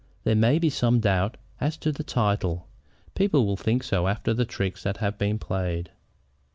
There may be some doubt as to the title. People will think so after the tricks that have been played."